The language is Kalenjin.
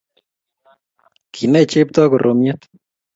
Kinai chepto koromiet